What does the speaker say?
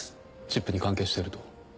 チップに関係していると？